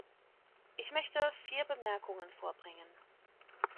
Ich möchte vier Bemerkungen vorbringen.